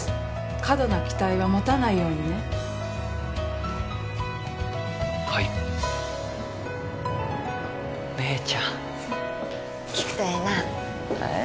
過度な期待は持たないようにねはい姉ちゃん効くとええなえっ？